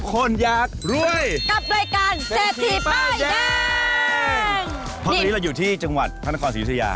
เพราะวันนี้เราอยู่ที่จังหวัดพนักกว่าสียุติยา